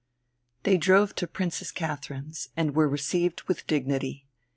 They drove to Princess Katharine's, and were received with dignity.